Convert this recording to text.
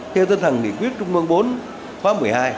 theo tinh thần nghị quyết trung ương bốn phá một mươi hai